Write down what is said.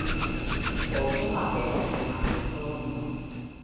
Ponto aperas en la blazono.